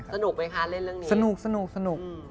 สนุกมั้ยคะเล่นเรื่องนี้